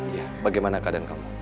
iya bagaimana keadaan kamu